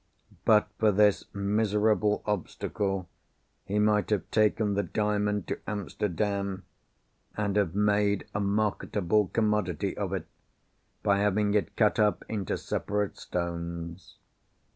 But for this miserable obstacle, he might have taken the Diamond to Amsterdam, and have made a marketable commodity of it, by having it cut up into separate stones.